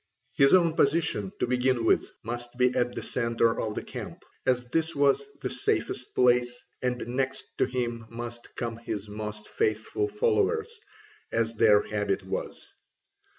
His own position, to begin with, must be at the centre of the camp, as this was the safest place, and next to him must come his most faithful followers, as their habit was.